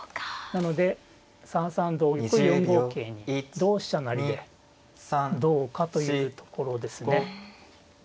なので３三同玉４五桂に同飛車成でどうかというところですね。